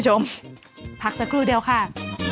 สักครู่เดี๋ยวค่ะ